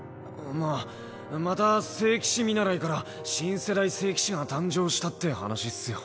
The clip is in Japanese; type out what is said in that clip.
まあまた聖騎士見習いから新世代聖騎士が誕生したって話っすよ。